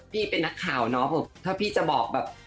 พี่เป็นนักข่าวเนาะถ้าพี่จะบอกแบบ